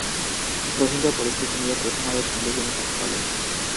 রোহিঙ্গা পরিস্থিতি নিয়ে প্রথম আলোর সঙ্গে তিনি কথা বলেন।